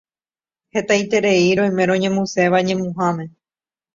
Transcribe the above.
Hetaiterei roime roñemuséva ñemuháme